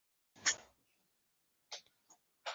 日本围棋故事